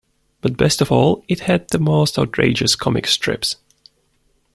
But best of all, it had the most outrageous comic strips.